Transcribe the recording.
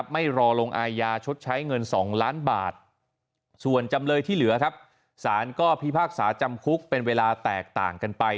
ไม่รอลงอายาชดใช้เงิน๒ล้านบาทส่วนจำเลยที่เหลือครับสารก็พิพากษาจำคุกเป็นเวลาแตกต่างกันไป